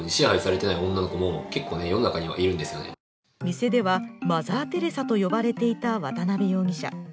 店ではマザーテレサと呼ばれていた渡邊容疑者。